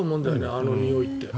あのにおいって。